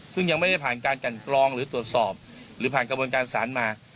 ซึ่งยังไม่ได้ผ่านการกันกรองหรือตรวจสอบหรือผ่านกระบวนการสารมา